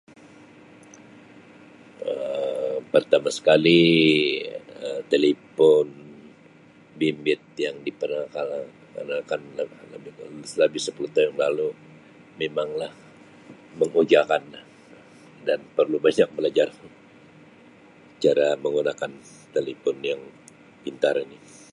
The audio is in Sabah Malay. Um Pertama sekali Um telipon bimbit yang diperkenalkan lebih sepuluh tahun yang lalu memanglah mengujakan dan perlu banyak mengajar cara menggunakan telipon yang pintar ini.